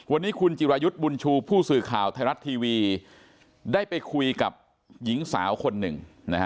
วันนี้คุณจิรายุทธ์บุญชูผู้สื่อข่าวไทยรัฐทีวีได้ไปคุยกับหญิงสาวคนหนึ่ง